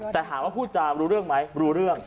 แต่ถามว่าพูดจารู้เรื่องไหมรู้เรื่อง